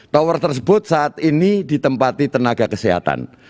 tower tersebut saat ini ditempati tenaga kesehatan